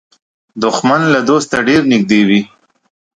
دښمن له دوسته ډېر نږدې وي